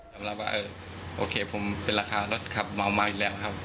สำหรับว่าโอเคผมเป็นราคารถขับเมามาอีกแล้วครับ